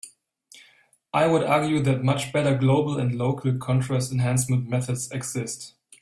I would argue that much better global and local contrast enhancement methods exist.